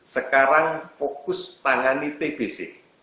sekarang fokus tangani tbc